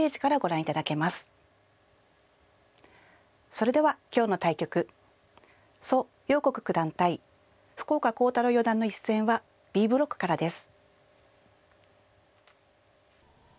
それでは今日の対局蘇耀国九段対福岡航太朗四段の一戦はＢブロックからです。